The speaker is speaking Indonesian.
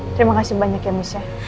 terima kasih banyak ya miss ya